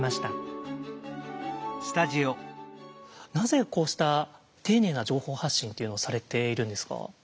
なぜこうした丁寧な情報発信というのをされているんですか？